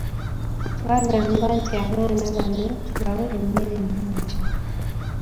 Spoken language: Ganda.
Twagamba nti abaana bano tubawe emmere ennungi.